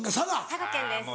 佐賀県ですはい。